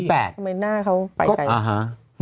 ทำไมหน้าเขาไปไกล